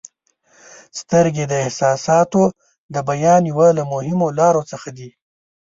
• سترګې د احساساتو د بیان یوه له مهمو لارو څخه دي.